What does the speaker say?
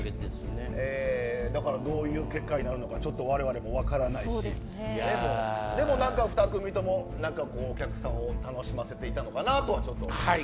どういう結果になるのかわれわれも分からないしでも２組ともお客さんを楽しませていたのかなと思います。